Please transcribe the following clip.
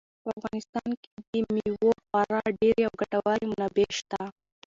په افغانستان کې د مېوو خورا ډېرې او ګټورې منابع شته.